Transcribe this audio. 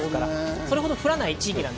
それほど降らない地域なので。